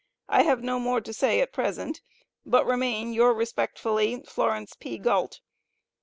i have no more to say at present but remain yoor respectfully. FLARECE P. GAULT.